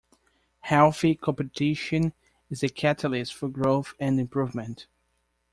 Healthy competition is a catalyst for growth and improvement.